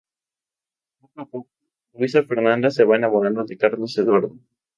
Poco a poco, Luisa Fernanda se va enamorando de Carlos Eduardo.